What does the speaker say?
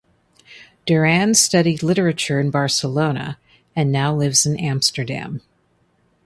Duran studied literature in Barcelona and now lives in Amsterdam.